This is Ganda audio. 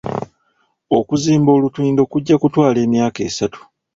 Okuzimba olutindo kujja kutwala emyaka essatu.